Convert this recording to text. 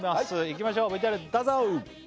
いきましょうＶＴＲどうぞ！